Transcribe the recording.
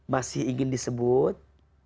masih ingin disebut